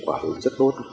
quả hồi rất tốt